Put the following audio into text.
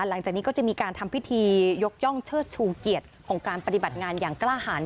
หลังจากนี้ก็จะมีการทำพิธียกย่องเชิดชูเกียรติของการปฏิบัติงานอย่างกล้าหัน